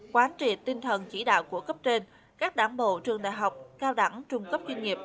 quán trị tinh thần chỉ đạo của cấp trên các đảng bộ trường đại học cao đẳng trung cấp chuyên nghiệp